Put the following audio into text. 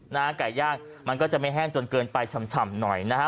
ไก่ย่างมันก็จะไม่แห้งจนเกินไปฉ่ำหน่อยนะฮะ